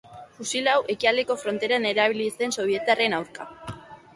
Fusil hau Ekialdeko Frontean erabili izan zen Sobietarren aurka.